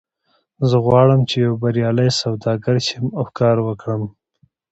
زه غواړم چې یو بریالی سوداګر شم او کار وکړم